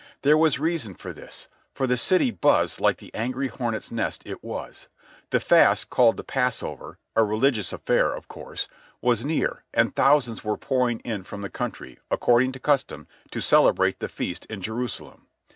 There was reason for this, for the city buzzed like the angry hornets' nest it was. The fast called the Passover—a religious affair, of course—was near, and thousands were pouring in from the country, according to custom, to celebrate the feast in Jerusalem.